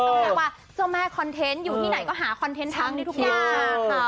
เรียกว่าเจ้าแม่คอนเทนต์อยู่ที่ไหนก็หาคอนเทนต์ทั้งทุกอย่างค่ะ